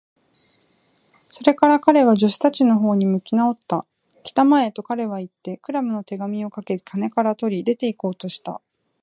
それから彼は、助手たちのほうに向きなおった。「きたまえ！」と、彼はいって、クラムの手紙をかけ金から取り、出ていこうとした。